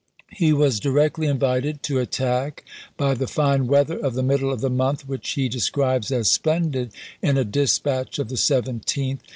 He was directly invited to attack by the fine weather of the middle of the month, which he de scribes as " splendid " in a dispatch of the 17th, and ibid.